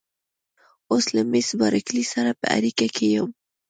اوس له مېس بارکلي سره په اړیکه کې یم.